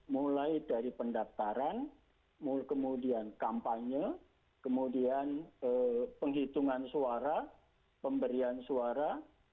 mulai dari pendaftaran kemudian kampanye kemudian penghitungan suara pemberian suara